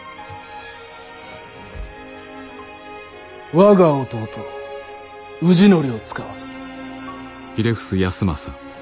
我が弟氏規を遣わす。